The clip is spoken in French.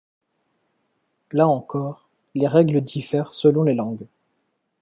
Là encore, les règles diffèrent selon les langues.